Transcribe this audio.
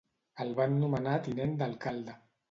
El van nomenar tinent d'alcalde.